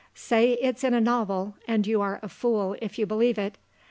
Say it's in a novel and you are a fool if you believe it.